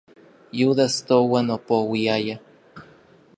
Yudas touan opouiaya.